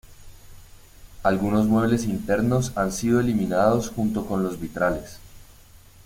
Algunos muebles internos han sido eliminados junto con los vitrales.